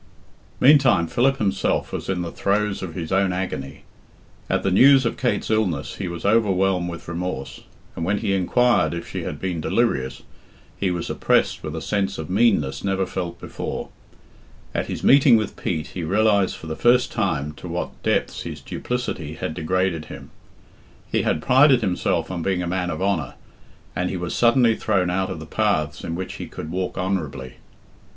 Meantime Philip himself was in the throes of his own agony. At the news of Kate's illness he was overwhelmed with remorse, and when he inquired if she had been delirious, he was oppressed with a sense of meanness never felt before. At his meeting with Pete he realised for the first time to what depths his duplicity had degraded him. He had prided himself on being a man of honour, and he was suddenly thrown out of the paths in which he could walk honourably.